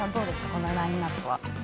このラインナップは。